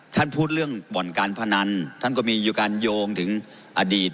ท่านพูดเรื่องบ่อนการพนันท่านก็มีการโยงถึงอดีต